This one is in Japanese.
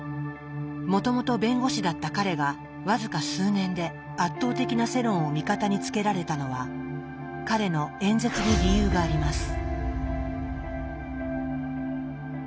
もともと弁護士だった彼が僅か数年で圧倒的な世論を味方につけられたのは彼の演説に理由があります。